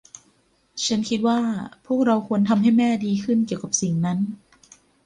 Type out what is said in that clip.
ฉันคิดว่าพวกเราควรทำให้แม่ดีขึ้นเกี่ยวกับสิ่งนั้น